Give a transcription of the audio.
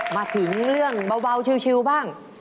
มาถึงเรื่องเบาชิวบ้าง